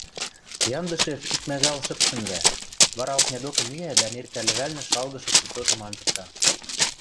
Яндышев икмӓгӓл шӹп шӹнзӓ, вара окня докы миӓ дӓ неркӓ лӹвӓлнӹ шалгышы кӱсотым анжыкта.